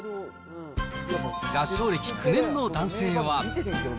合唱歴９年の男性は。